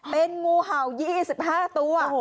เป็นงูเห่า๒๕ตัว